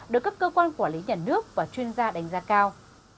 được các cơ quan quản lý nhà nước và chuyên gia đánh giá cao